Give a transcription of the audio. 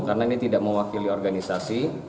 karena ini tidak mewakili organisasi